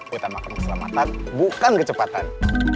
bisa makan keselamatan bukan kecepatan